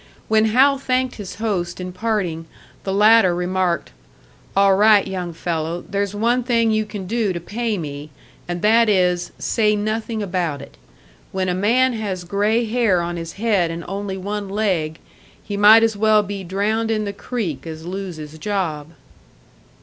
When Hal thanked his host in parting, the latter remarked: "All right, young fellow, there's one thing you can do to pay me, and that is, say nothing about it. When a man has grey hair on his head and only one leg, he might as well be drowned in the creek as lose his job."